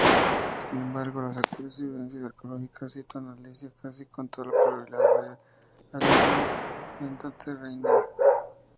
Sin embargo, las actuales evidencias arqueológicas sitúan Alesia casi con toda probabilidad en Alise-Sainte-Reine.